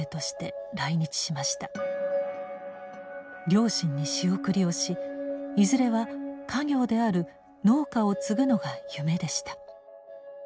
両親に仕送りをしいずれは家業である農家を継ぐのが夢でした。